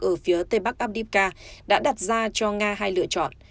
ở phía tây bắc abdimka đã đặt ra cho nga hai lựa chọn